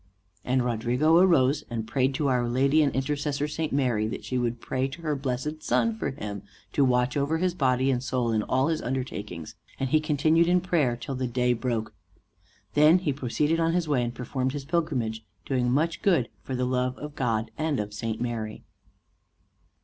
And Rodrigo arose and prayed to our lady and intercessor St. Mary, that she would pray to her blessed son for him to watch over his body and soul in all his undertakings; and he continued in prayer till the day broke. Then he proceeded on his way, and performed his pilgrimage, doing much good for the love of God and of St. Mary.